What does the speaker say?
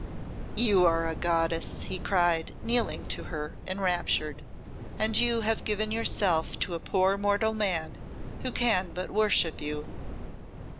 "You are a goddess!" he cried, kneeling to her, enraptured. "And you have given yourself to a poor mortal man, who can but worship you."